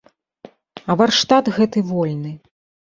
А варштат гэты вольны.